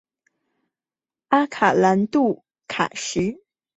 阿卡兰杜格乌尔第一王朝第二任国王。